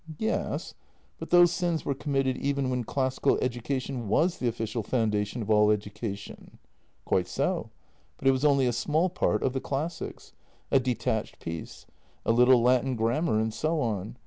Yes, but those sins were committed even when classical education was the official foundation of all education." " Quite so. But it was only a small part of the classics — a detached piece. A little Latin grammar and so on.